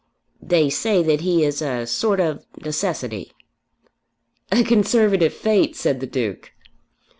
"They say that he is a sort of necessity." "A Conservative Fate," said the Duke.